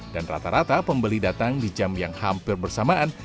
dan rata rata pembeli datang di jam yang hampir bersamaan